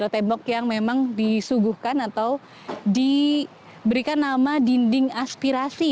tembok yang memang disuguhkan atau diberikan nama dinding aspirasi